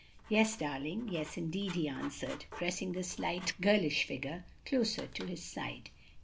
"Yes, darling, yes, indeed!" he answered, pressing the slight, girlish figure closer to his side.